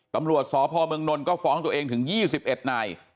ตำรวจสพเมืองนลก็ฟ้องตัวเองถึง๒๑นาย